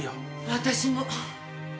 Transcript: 私も。